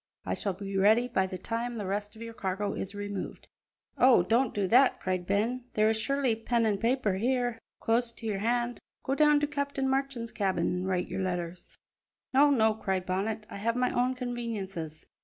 I shall be ready by the time the rest of your cargo is removed." "Oh, don't do that!" cried Ben; "there is surely pen an' paper here, close to your hand. Go down to Captain Marchand's cabin an' write your letters." "No, no," cried Bonnet, "I have my own conveniences."